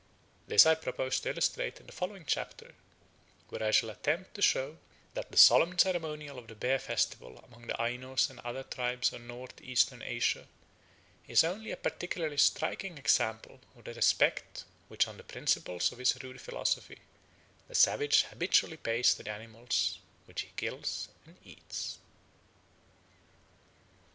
This I propose to illustrate in the following chapter, where I shall attempt to show that the solemn ceremonial of the bear festival among the Ainos and other tribes of North eastern Asia is only a particularly striking example of the respect which on the principles of his rude philosophy the savage habitually pays to the animals which he kills and eats.